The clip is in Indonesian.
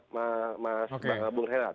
mas bung herat